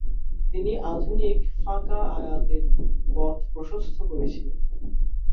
তিনি আধুনিক ফাঁকা আয়াতের পথ প্রশস্ত করেছিলেন।